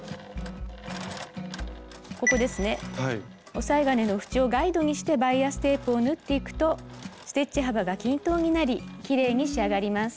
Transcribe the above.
おさえ金のふちをガイドにしてバイアステープを縫っていくとステッチ幅が均等になりきれいに仕上がります。